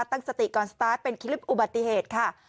ตั้งสติก่อนสตาร์ทเป็นคลิปอุบัติเหตุค่ะ